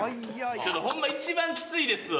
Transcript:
ちょっとホンマ一番きついですわ。